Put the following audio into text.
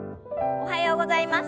おはようございます。